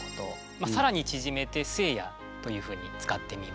まあ更に縮めて「聖夜」というふうに使ってみました。